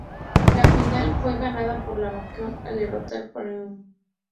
La final fue ganada por el Maccabi al derrotar al Panathinaikos.